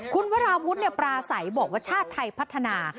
คุณวราวุฒิปราศัยบอกว่าชาติไทยพัฒนา